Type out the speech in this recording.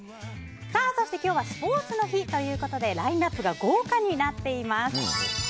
そして今日はスポーツの日ということでラインアップが豪華になっています。